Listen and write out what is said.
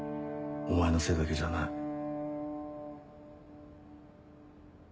お前のせいだけじゃない。